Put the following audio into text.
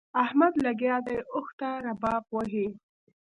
احمد لګيا دی؛ اوښ ته رباب وهي.